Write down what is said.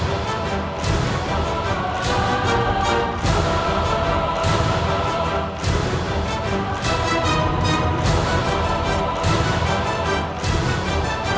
ayuh cepat antarkan aku